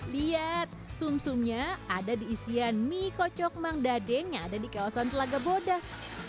lihat sum sumnya ada di isian mie kocok mang dadeng yang ada di kawasan telaga bodas